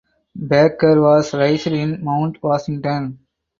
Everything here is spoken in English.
Baker was raised in Mount Washington.